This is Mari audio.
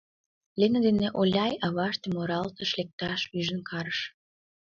Лена ден Оляй, аваштым оралтыш лекташ ӱжын карыш.